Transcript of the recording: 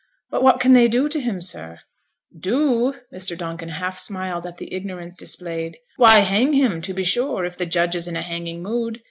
'But what can they do to him, sir?' 'Do?' Mr. Donkin half smiled at the ignorance displayed. 'Why, hang him, to be sure; if the judge is in a hanging mood.